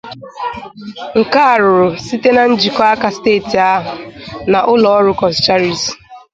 nke a rụrụ site na njikọ aka steeti ahụ na ụlọ ọrụ Cọscharis